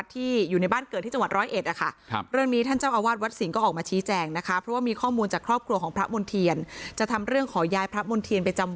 ที่อยู่ในบ้านเกิดที่จังหวัดร้อยเอ็ดนะคะ